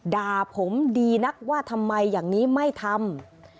ด่าผมดีนักว่าทำไมอย่างนี้ไม่ทำ